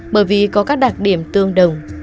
bởi vì có các đặc điểm tương đồng